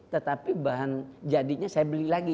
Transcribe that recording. tetapi bahan jadinya saya beli lagi